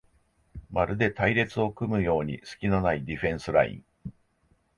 まるで隊列を組むようにすきのないディフェンスライン